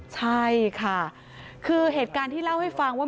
ใช่ค่ะคือเหตุการณ์ที่เล่าให้ฟังว่า